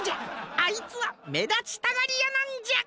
あいつはめだちたがりやなんじゃ。